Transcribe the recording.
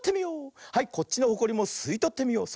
はいこっちのホコリもすいとってみよう。